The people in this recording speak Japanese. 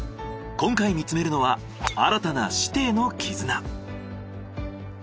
今回見つめるのは新たな師弟のキズナ。